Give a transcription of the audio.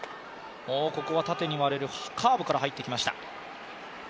ここは縦に割れるカーブから入ってきました。